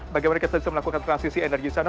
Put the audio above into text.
bagaimana kita bisa melakukan transisi energi di sana